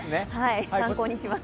参考にします。